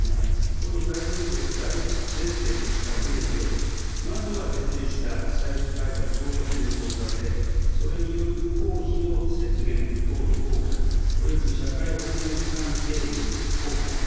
これを大前提としたうえで、まずは徹底した歳出改革等を先行させ、それによる公費の節減等の効果、および社会保険負担軽減効果。